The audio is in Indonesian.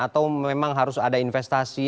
atau memang harus ada investasi